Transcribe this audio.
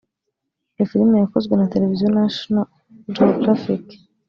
Iyo filime yakozwe na televiziyo National Geographic